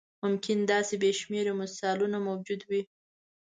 ممکن داسې بې شمېره مثالونه موجود وي.